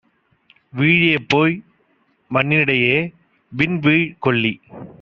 வீழியபோய் மண்ணிடையே விண்வீழ் கொள்ளி